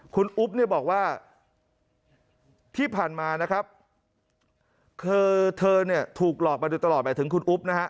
คุณอุ๊บบอกว่าที่ผ่านมานะครับเธอเนี่ยถูกหลอกไปตลอดแต่ถึงคุณอุ๊บนะคะ